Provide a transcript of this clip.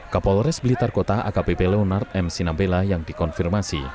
kapolres blitar kota akpb leonard m sinabela yang dikonfirmasi